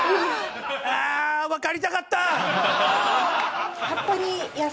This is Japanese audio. あわかりたかった！